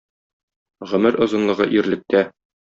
Гомер озынлыгы ирлектә.